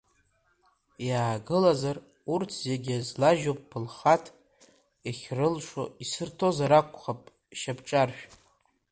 Иаагылазар урҭ зегь злажьу ԥылҳаҭ, иахьрылшо исырҭозар акәхап шьапҿаршә.